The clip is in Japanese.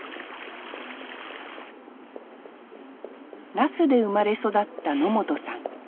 那須で生まれ育った野本さん。